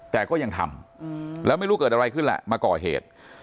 แต่ก็ยังทำแล้วไม่รู้เกิดอะไรขึ้นแหละมาก่อเหตุ